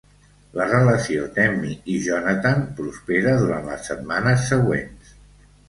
La relació d'Emmy i Jonathan prospera durant les setmanes següents.